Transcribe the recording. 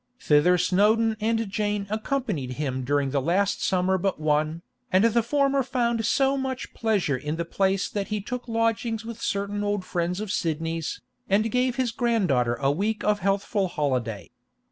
Thither Snowdon and Jane accompanied him during the last summer but one, and the former found so much pleasure in the place that he took lodgings with certain old friends of Sidney's, and gave his granddaughter a week of healthful holiday.